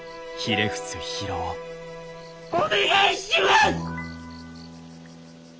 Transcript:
お願いします！